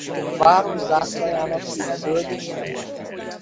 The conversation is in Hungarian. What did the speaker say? A város zászlajának színei zöld és fehér.